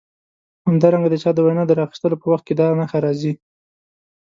همدارنګه د چا د وینا د راخیستلو په وخت کې دا نښه راځي.